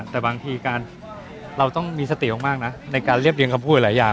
แต่บางทีการเราต้องมีสติมากนะในการเรียบเรียงคำพูดหลายอย่าง